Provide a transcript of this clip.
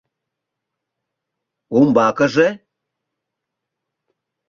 — Умбакыже?